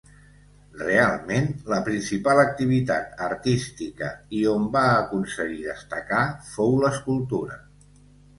Realment la principal activitat artística, i on va aconseguir destacar, fou l'escultura.